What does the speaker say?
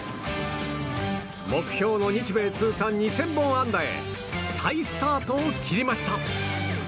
目標の日米通算２０００本安打へ再スタートを切りました。